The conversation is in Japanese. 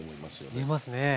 見えますね。